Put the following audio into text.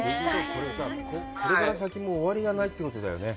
これさ、これから先も終わりがないということだよね。